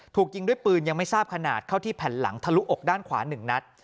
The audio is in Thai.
ถูกยิงด้วยปืนยังไม่ทราบขนาดเข้าที่แผ่นหลังทะลุอกด้านขวา๑นัด